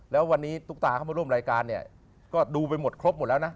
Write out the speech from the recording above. แล้ววันนี้ตุ๊กตาเข้ามาร่วมรายการเนี่ยก็ดูไปหมดครบหมดแล้วนะ